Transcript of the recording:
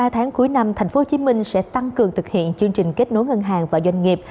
ba tháng cuối năm tp hcm sẽ tăng cường thực hiện chương trình kết nối ngân hàng và doanh nghiệp